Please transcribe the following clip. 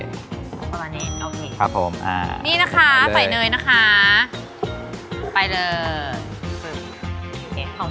ประมาณนี้โอเคครับผมอ่านี่นะคะใส่เนยนะคะไปเลยโอเค